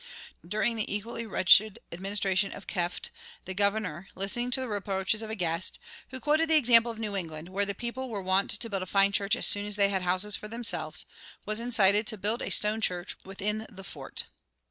During the equally wretched administration of Kieft, the governor, listening to the reproaches of a guest, who quoted the example of New England, where the people were wont to build a fine church as soon as they had houses for themselves, was incited to build a stone church within the fort.